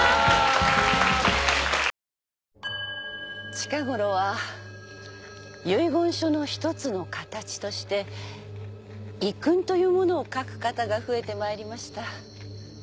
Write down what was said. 近ごろは遺言書の一つの形として遺訓というものを書く方が増えてまいりました。